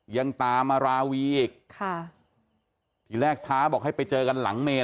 ยังตามมาราวีอีกค่ะทีแรกท้าบอกให้ไปเจอกันหลังเมน